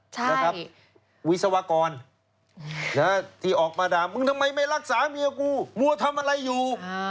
ใช่นะครับวิศวกรที่ออกมาด่ามึงทำไมไม่รักษาเมียกูวัวทำอะไรอยู่